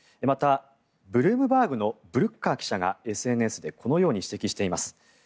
またブルームバーグのブルッカー記者がＳＮＳでこのように指摘しています。